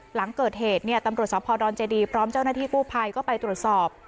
หลังเกิดเหตุเนี่ยตำรวจสภดอนเจดีพร้อมเจ้าหน้าที่กู้ภัยก็ไปตรวจสอบ